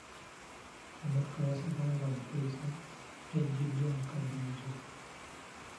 Emmotoka ya Ssekabaka Muteesa eggyiddwa mu kaddiyizo.